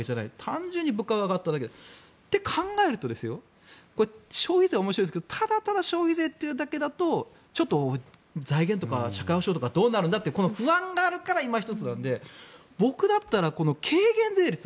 単純に物価が上がっただけ。と考えると消費税は面白いですがただただ消費税というだけだとちょっと財源とか社会保障とかどうなるんだというこの不安があるからいま一つなので僕だったら軽減税率。